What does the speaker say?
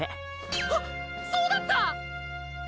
はっそうだった！！